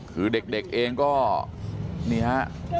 คือเด็กเองก็นี่ฮะ